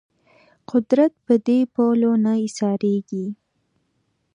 قدرت په دې پولو نه ایسارېږي